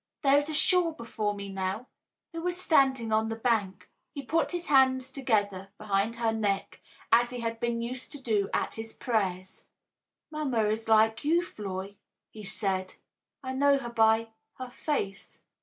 There is a shore before me now. Who is standing on the bank?" He put his hands together behind her neck, as he had been used to do at his prayers. "Mama is like you, Floy," he said. "I know her by her face.